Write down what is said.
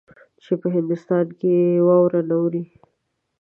چې په هندوستان کې واوره نه اوري.